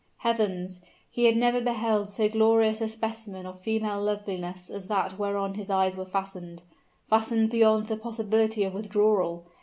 Heavens! he had never beheld so glorious a specimen of female loveliness as that whereon his eyes were fastened, fastened beyond the possibility of withdrawal.